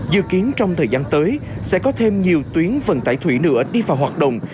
dự kiến trong thời gian tới sẽ có thêm nhiều tuyến vận tải thủy nữa đi vào hoạt động